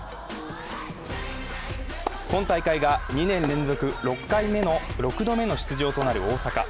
今大会が２年連続６度目の出場となる大坂。